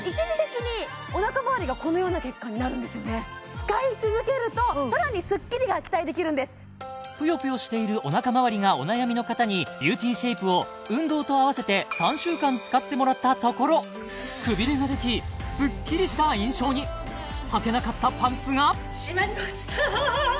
使い続けるとさらにスッキリが期待できるんですぷよぷよしているおなかまわりがお悩みの方にビューティーシェイプを運動と併せて３週間使ってもらったところくびれができスッキリした印象に閉まりました